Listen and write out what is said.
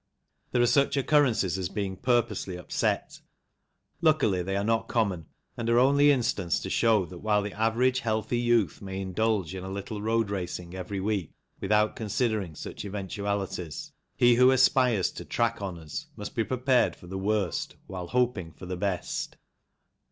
There are such occurrences as being purposely upset ; luckily, they are not common, and are only instanced to show that while the average healthy youth may indulge in a little road racing every week without considering such eventualities, he who aspires to track honours must be prepared for the worst whilst hoping for the best.